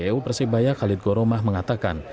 ceo persebaya khalid goroma mengatakan